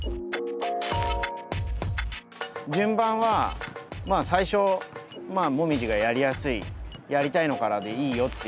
順番はまあ最初もみじがやりやすいやりたいのからでいいよって言ったと思うんですよ。